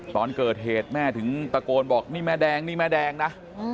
ตอนเกิดเหตุแม่ถึงตะโกนบอกนี่แม่แดงนี่แม่แดงนะ